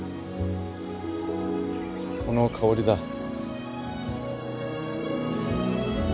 この香りだ。